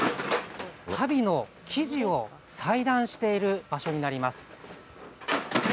足袋の生地を裁断している場所になります。